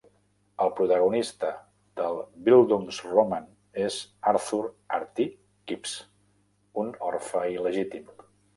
El protagonista del Bildungsroman és Arthur "Artie" Kipps, un orfe il·legítim.